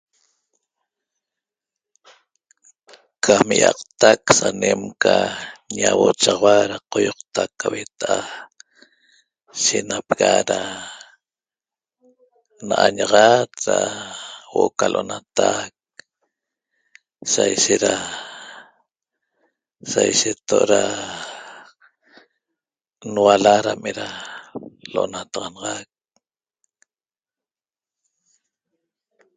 Cam ýiaqtac sanem ca ñauochaxaua da qoýoqta ca hueta'a shenapega da na'añaxat da huo'o ca l'onatac sa ishet da sa isheto' da nuala dam eda l'onataxanaxac